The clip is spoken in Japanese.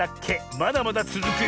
まだまだつづくよ。